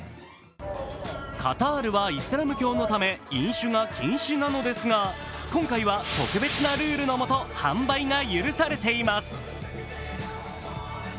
カタールはイスラム教のため飲酒が禁止なのですが、今回は特別なルールのもと、販売が許されています。